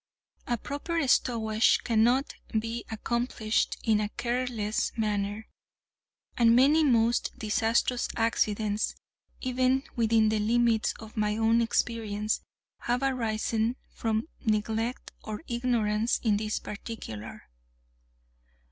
A proper stowage cannot be accomplished in a careless manner, and many most disastrous accidents, even within the limits of my own experience, have arisen from neglect or ignorance in this particular.